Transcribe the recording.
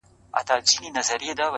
شاعره ياره ستا قربان سمه زه ـ